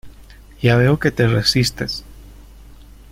Ya veo que te resistes.